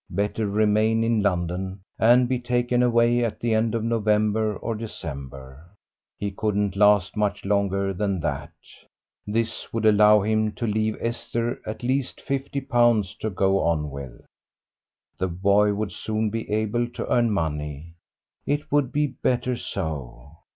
Better remain in London and be taken away at the end of November or December; he couldn't last much longer than that. This would allow him to leave Esther at least fifty pounds to go on with. The boy would soon be able to earn money. It would be better so.